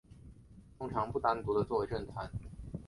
通常不单独地作为正餐。